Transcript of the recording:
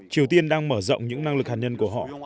triều tiên đang mở rộng những năng lực hạt nhân của họ